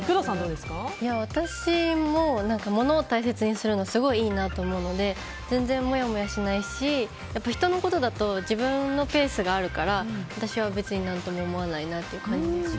私も物を大切にするのすごくいいなと思うので全然もやもやしないし人のことだと自分のペースがあるから私は別に何とも思わないなという感じです。